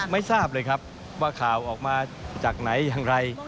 ไม่ทราบเลยครับว่าข่าวออกมาจากไหนอย่างไร